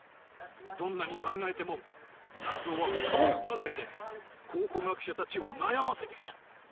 どんなに考えても謎は深まるばかりで考古学者たちを悩ませてきた。